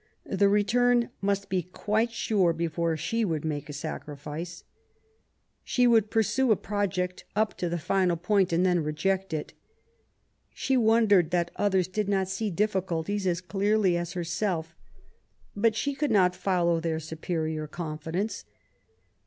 The return must be quite sure before she would make a sacrifice. She would pursue a project up to the final point and then reject it. She wondered that others did not see difficulties as clearly as herself; but she could not follow their superior confidence.